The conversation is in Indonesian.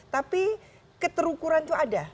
tapi keterukuran itu ada